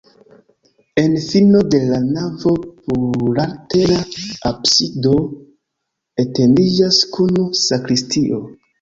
En fino de la navo plurlatera absido etendiĝas kun sakristio.